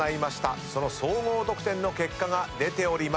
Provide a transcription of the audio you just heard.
その総合得点の結果が出ております。